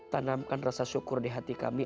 tanamkan rasa syukur di hati kami